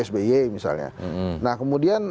sby misalnya nah kemudian